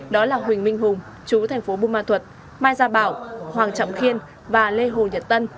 đó là huỳnh minh hùng chú thành phố bù ma thuật mai gia bảo hoàng trọng khiên và lê hồ nhật tân